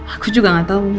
aku juga gak tahu